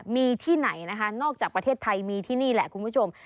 มีที่ไหนนะคะนอกจากประเทศไทยมีที่นี่แหละคุณผู้ชม